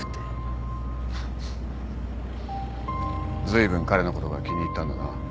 フッずいぶん彼のことが気に入ったんだな。